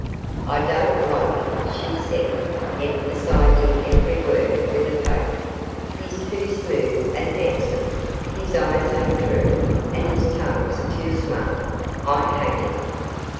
'I don't like him,' she said, emphasizing every word with a poke. 'He's too smooth and handsome, his eyes ain't true, and his tongue's too smart. I hate him.